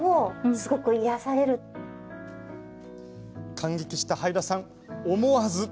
感激した、はいださん思わず。